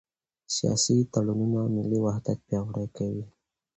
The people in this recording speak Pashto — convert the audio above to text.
سیاسي تړونونه ملي وحدت پیاوړی کوي